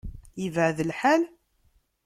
Yebεed lḥal?